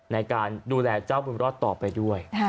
ในการดูแลเจ้าบุญรอดต่อไปด้วย